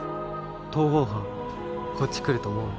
逃亡犯こっち来ると思う？